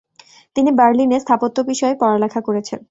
তিনি বার্লিনে স্থাপত্য বিষয়ে পড়ালেখা করেছেন।